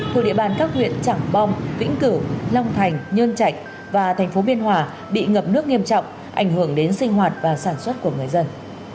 khu địa bàn các huyện trảng bong vĩnh cử long thành nhơn trạch và tp biên hòa bị ngập nước nghiêm trọng ảnh hưởng đến sinh hoạt và sản xuất của người dân